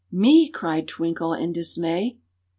"Me!" cried Twinkle, in dismay.